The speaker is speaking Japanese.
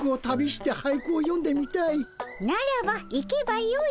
ならば行けばよい。